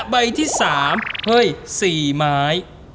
ใบที่สามเฮ้ย๔ม้าย